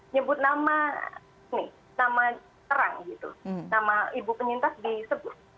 nyebut nama ini nama terang gitu nama ibu penyintas disebut